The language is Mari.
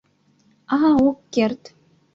— А ок керт...